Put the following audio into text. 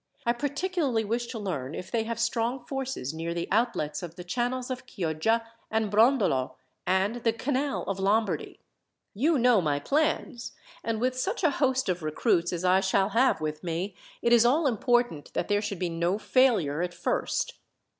I particularly wish to learn if they have strong forces near the outlets of the channels of Chioggia, and Brondolo, and the Canal of Lombardy. You know my plans, and with such a host of recruits as I shall have with me, it is all important that there should be no failure at first.